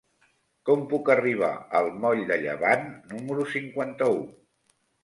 Com puc arribar al moll de Llevant número cinquanta-u?